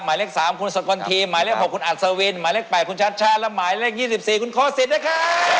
หมายเลข๓คุณสบรรทีหมายเลข๖คุณอสวินหมายเลข๘คุณชาชชาแล้วหมายเลข๒๔คุณโค่ศิษฐ์นะคะ